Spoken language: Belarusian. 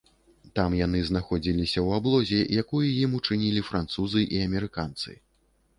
Там яны знаходзіліся ў аблозе, якую ім учынілі французы і амерыканцы.